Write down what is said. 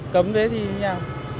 cấm thế thì sao